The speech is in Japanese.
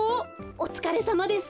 おつかれさまです。